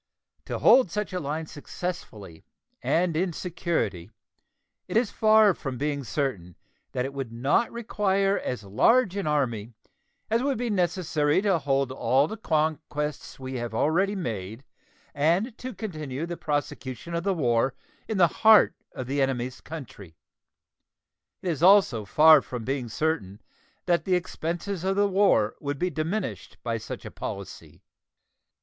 To hold such a line successfully and in security it is far from being certain that it would not require as large an army as would be necessary to hold all the conquests we have already made and to continue the prosecution of the war in the heart of the enemy's country. It is also far from being certain that the expenses of the war would be diminished by such a policy.